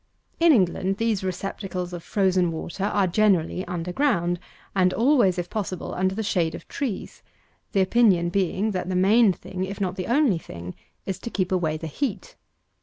In England, these receptacles of frozen water are, generally, under ground, and always, if possible, under the shade of trees, the opinion being, that the main thing, if not the only thing, is to keep away the heat.